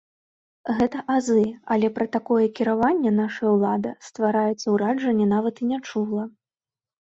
Гэта азы, але пра такое кіраванне нашая ўлада, ствараецца ўражанне, нават і не чула.